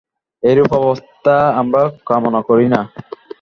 এইরূপ অবস্থা আমরা কামনা করি না।